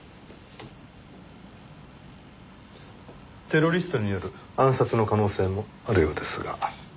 テロリストによる暗殺の可能性もあるようですが。